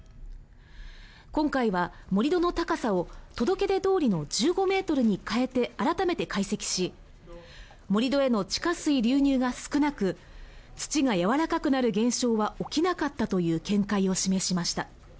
今回は盛り土の高さを届け出どおりの１５ｍに変えて改めて解析し盛り土への地下水流入が少なく土がやわらなくなる現象は起きなかったという見解を示しました。